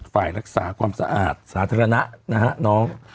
ฝ่ายรักษาความสะอาดสาธารณะนะฮะน้อง